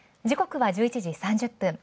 時刻は１１時３０分。